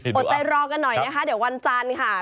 อดใจรอกันหน่อยนะคะเดี๋ยววันจันทร์ค่ะ